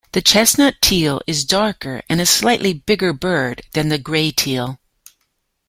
The chestnut teal is darker and a slightly bigger bird than the grey teal.